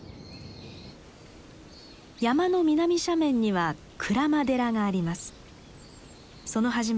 山の南斜面には鞍馬寺があります。